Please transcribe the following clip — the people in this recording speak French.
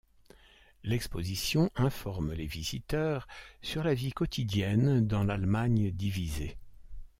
L'exposition informe les visiteurs sur la vie quotidienne dans l'Allemagne divisée.